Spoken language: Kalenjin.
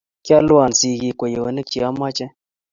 Kialwon sigik kweyonik che ameche